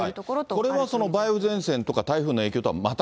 これは梅雨前線とか台風の影響とはまた違う？